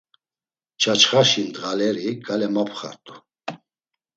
Çaçxaşi ndğaleri gale mapxart̆u.